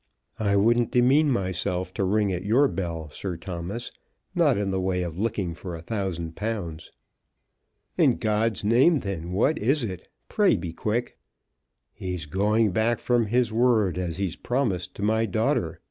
I wouldn't demean myself to ring at your bell, Sir Thomas; not in the way of looking for a thousand pounds." "In God's name, then, what is it? Pray be quick." "He's going back from his word as he's promised to my daughter.